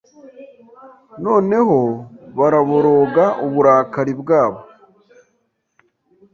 Noneho baraboroga uburakari bwabo